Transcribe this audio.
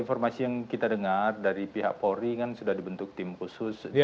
informasi yang kita dengar dari pihak polri kan sudah dibentuk tim khusus